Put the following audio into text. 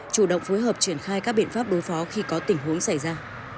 chủ động phối hợp triển khai các biện pháp đối phó khi có tình huống xảy ra